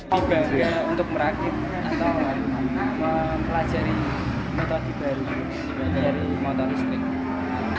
bangga untuk merakit atau mempelajari metode baru dari motor listrik